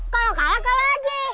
kalau kalah kalah aja